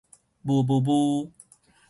霧霧霧